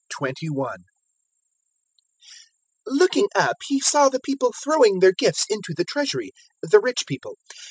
021:001 Looking up He saw the people throwing their gifts into the Treasury the rich people.